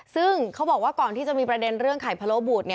ซึ่งเขาบอกว่าก่อนที่จะมีประเด็นเรื่องไข่พะโลบูด